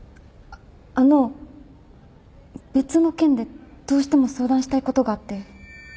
あの別の件でどうしても相談したいことがあって。